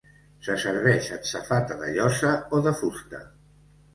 Se serveix en safata de llosa o de fusta.